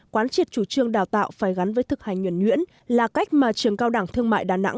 quán triệt chủ trương đào tạo phải gắn với thực hành nhuẩn nhuyễn là cách mà trường cao đẳng thương mại đà nẵng